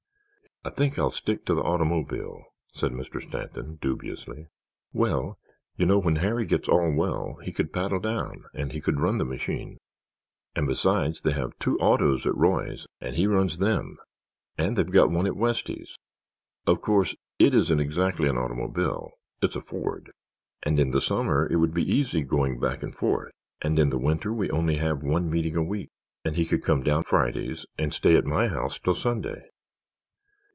"I think I'll stick to the automobile," said Mr. Stanton, dubiously. "Well, you know, when Harry gets all well he could paddle down and he could run the machine, and besides they have two autos at Roy's and he runs them, and they've got one at Westy's—of course, it isn't exactly an automobile, it's a Ford—and in the summer it would be easy going back and forth and in the winter we only have one meeting a week, and he could come down Fridays and stay at my house till Sunday.